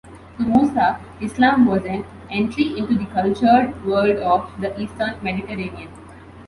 To Musa, Islam was "an entry into the cultured world of the Eastern Mediterranean".